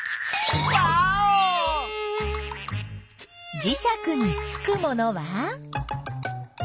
じしゃくにつくものは？